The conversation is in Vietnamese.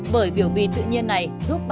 bởi biểu bì tự nhiên này giúp bảo vệ bệnh